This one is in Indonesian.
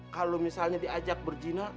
kalau misalnya diajak berjina